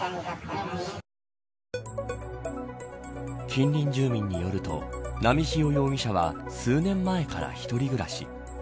近隣住民によると波汐容疑者は数年前から１人暮らし。